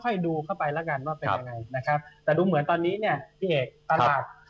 ดูเข้าไปแล้วกันว่าเป็นยังไงนะครับแต่ดูเหมือนตอนนี้เนี่ยพี่เอกตลาด